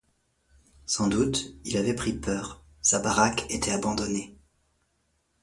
Sans doute il avait pris peur, sa baraque était abandonnée.